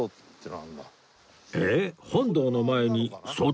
えっ？